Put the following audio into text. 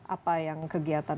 apa yang kegiatan